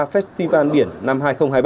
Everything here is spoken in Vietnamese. festival biển năm hai nghìn hai mươi ba